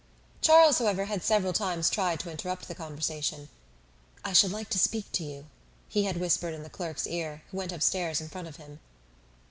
Charles, however, had several times tried to interrupt the conversation. "I should like to speak to you," he had whispered in the clerk's ear, who went upstairs in front of him.